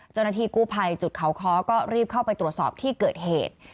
จนนาทีกู้ไพจุดเคา่ค้อก็รีบเข้าไปตรวจสอบที่เกิดเหตุ